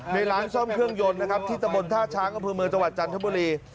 ในร้านซ่อมเครื่องยนต์นะครับที่ตะบนท่าช้างอำเภอเมืองจังหวัดจันทบุรี